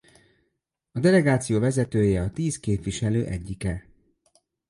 A delegáció vezetője a tíz képviselő egyike.